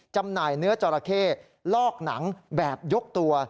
จำหน่ายเนื้อจอราเข้ลอกหนังแบบยกตัว